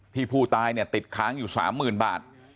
ที่ผู้ตายเนี่ยติดค้างอยู่สามหมื่นบาท